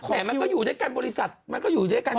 มันก็อยู่ด้วยกันบริษัทมันก็อยู่ด้วยกัน